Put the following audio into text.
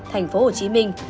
thành phố hồ chí minh